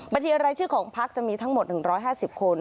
บัญชีรายชื่อของพักจะมีทั้งหมด๑๕๐คน